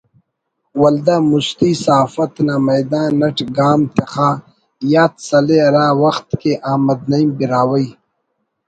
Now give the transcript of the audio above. ولدا مستی صحافت نا میدان اٹ گام تخا یات سلے ہراوخت کہ احمد نعیم براہوئی